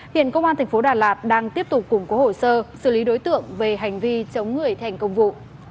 hiện công an tp đà lạt đang tiếp tục củng cố hồ sơ xử lý đối tượng về hành vi chống người thành công vụ